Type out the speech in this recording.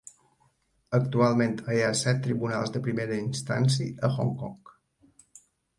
Actualment hi ha set tribunals de primera instància a Hong Kong.